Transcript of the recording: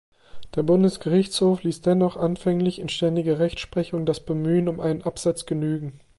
Der Bundesgerichtshof ließ dennoch anfänglich in ständiger Rechtsprechung das Bemühen um einen Absatz genügen.